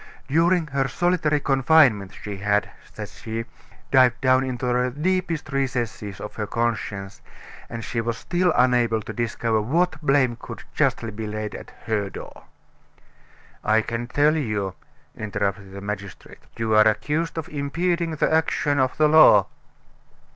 During her solitary confinement, she had, said she, dived down into the deepest recesses of her conscience, and she was still unable to discover what blame could justly be laid at her door. "I can tell you," interrupted the magistrate. "You are accused of impeding the action of the law."